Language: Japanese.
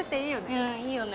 うんいいよね。